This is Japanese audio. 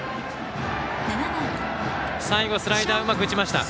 最後、スライダーうまく打ちました。